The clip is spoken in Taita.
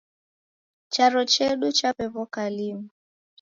Charo chedu chawewoka linu